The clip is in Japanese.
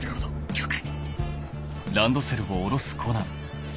了解。